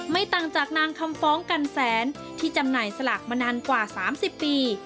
ต่างจากนางคำฟ้องกันแสนที่จำหน่ายสลากมานานกว่า๓๐ปี